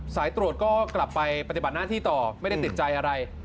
สายตรวจก็กลับไปปฏิบัติหน้าที่ต่อไม่ได้ติดใจอะไร